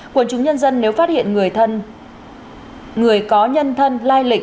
quân chủ nhân dân nếu phát hiện người có nhân thân lai lịch